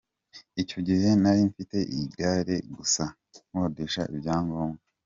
Icyo gihe nari mfite igare gusa, nkodesha ibyangombwa.